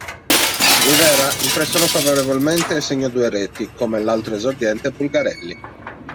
Rivera impressionò favorevolmente e segnò due reti, come l'altro esordiente Bulgarelli.